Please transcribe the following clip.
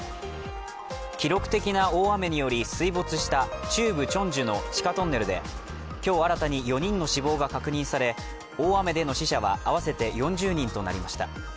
記録的な大雨により水没した中部チョンジュの地下トンネルで今日新たに４人の死亡が確認され、大雨での死者は合わせて４０人となりました。